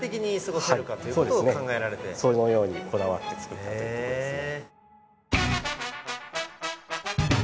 そのようにこだわって作ったというとこですね。